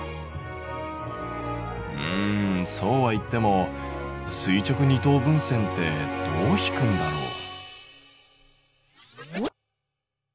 うんそうはいっても垂直二等分線ってどう引くんだろう？